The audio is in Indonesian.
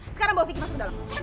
sekarang bawa vicky masuk ke dalam